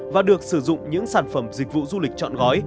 và được sử dụng những sản phẩm dịch vụ du lịch chọn gói